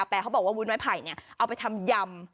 แต่เขาบอกว่าวุ้นไม้ไผ่เอาไปทำยำ